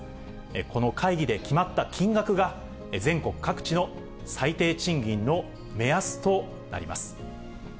この会議で決まった金額が全国各地の最低賃金の目安となります。